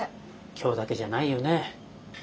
今日だけじゃないよね。